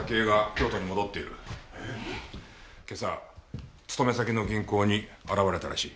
今朝勤め先の銀行に現れたらしい。